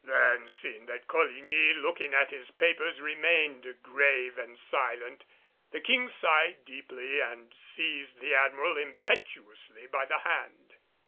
Then seeing that Coligny, looking at his papers, remained grave and silent, the King sighed deeply and seized the Admiral impetuously by the hand.